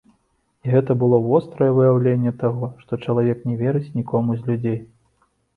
І гэта было вострае выяўленне таго, што чалавек не верыць нікому з людзей.